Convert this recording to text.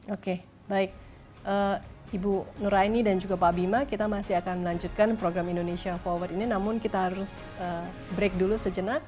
oke baik ibu nuraini dan juga pak bima kita masih akan melanjutkan program indonesia forward ini namun kita harus break dulu sejenak